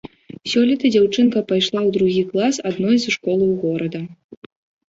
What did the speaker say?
Сёлета дзяўчынка пайшла ў другі клас адной з школаў горада.